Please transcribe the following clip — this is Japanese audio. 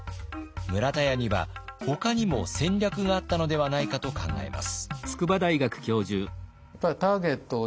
村田屋にはほかにも戦略があったのではないかと考えます。